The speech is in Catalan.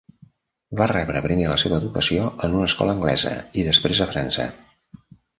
Va rebre primer la seva educació en una escola anglesa i després a França.